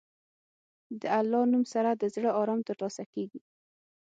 د الله نوم سره د زړه ارام ترلاسه کېږي.